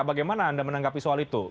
bagaimana anda menanggapi soal itu